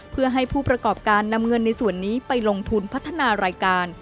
เพื่อให้ผู้ประกอบการนำเงินในส่วนนี้ไปลงทุนพัฒนารายการ